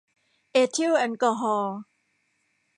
เอทิลแอลกอฮอล์